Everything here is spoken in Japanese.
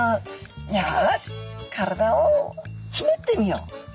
よし体をひねってみよう。